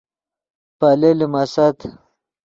پیلے لیمیست